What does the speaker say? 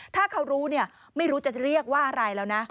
ถ้าเขารู้เนี่ยไม่รู้จะเรียกว่าอะไรแล้วนะ